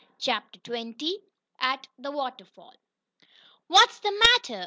CHAPTER XX AT THE WATERFALL "What's the matter?"